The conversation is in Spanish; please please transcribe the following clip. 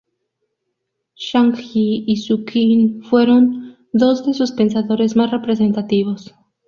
Zhang Yi y Su Qin fueron dos de sus pensadores más representativos.